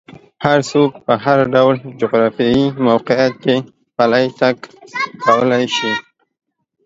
هر څوک په هر ډول جغرافیایي موقعیت کې پلی تګ کولی شي.